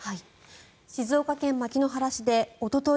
静岡県牧之原市でおととい